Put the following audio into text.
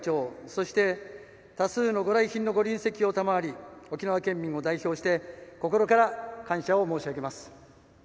そして、多数の御来賓の御臨席を賜り沖縄県民を代表して心から感謝を申し上げます。